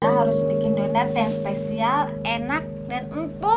harus bikin donat yang spesial enak dan empuk